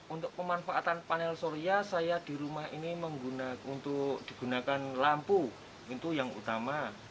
untuk pemanfaatan panel surya saya di rumah ini menggunakan lampu itu yang utama